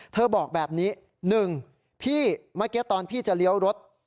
บอกแบบนี้๑พี่เมื่อกี้ตอนพี่จะเลี้ยวรถ